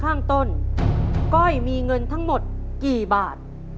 ข้างต้นก้อยมีเงินทั้งหมดกี่บาท